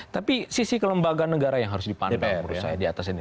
tapi sisi kelembagaan negara yang harus dipandang